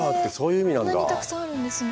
そんなにたくさんあるんですね。